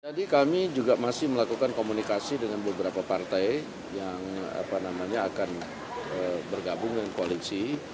jadi kami juga masih melakukan komunikasi dengan beberapa partai yang akan bergabung dengan koalisi